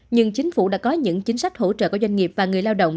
nhưng chính phủ đã có những chính sách hỗ trợ của doanh nghiệp và người lao động